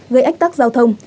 gây ách tắc giao thông